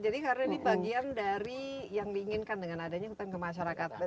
jadi karena ini bagian dari yang diinginkan dengan adanya hutan ke masyarakat